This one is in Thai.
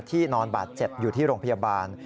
ที่นอนบาด๗อยู่ที่โรงพยาบาล